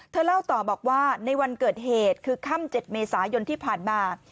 เล่าต่อบอกว่าในวันเกิดเหตุคือค่ำ๗เมษายนที่ผ่านมา